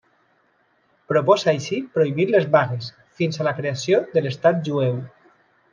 Proposa així prohibir les vagues, fins a la creació de l'Estat Jueu.